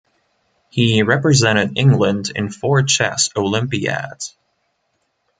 He represented England in four Chess Olympiads.